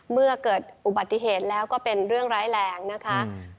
เมื่อเกิดอุบัติเหตุแล้วก็เป็นเรื่องร้ายแรงนะคะ